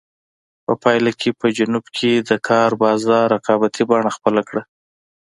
په پایله کې په جنوب کې د کار بازار رقابتي بڼه خپله کړه.